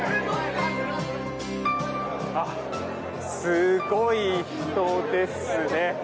すごい人ですね。